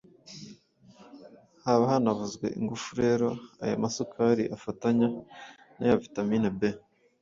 haba hanavuzwe ingufu. Rero aya masukari afatanya na ya vitamini B na